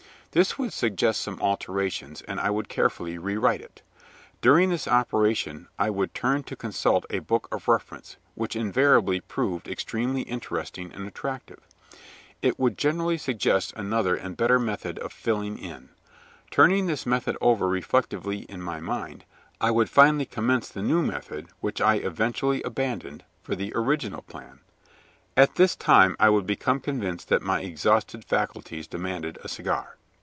This would suggest some alterations, and I would carefully rewrite it. During this operation I would turn to consult a book of reference, which invariably proved extremely interesting and attractive. It would generally suggest another and better method of "filling in." Turning this method over reflectively in my mind, I would finally commence the new method which I eventually abandoned for the original plan. At this time I would become convinced that my exhausted faculties demanded a cigar.